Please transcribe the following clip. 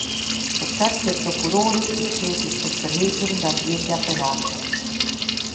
Për shkak se Prokurori i shtetit është tërhequr nga ndjekja penale.